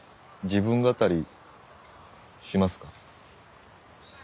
自分語りしますか？